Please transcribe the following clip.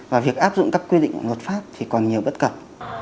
và việc áp dụng các quy định của luật pháp thì còn nhiều bất cập